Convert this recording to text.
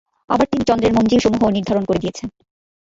আবার তিনি চন্দ্রের মনযিলসমূহও নির্ধারণ করে দিয়েছেন।